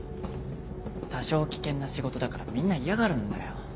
多少危険な仕事だからみんな嫌がるんだよ。